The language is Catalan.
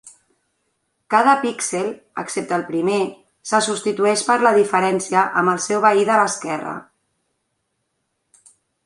Cada píxel, excepte el primer, se substitueix per la diferència amb el seu veí de l'esquerra.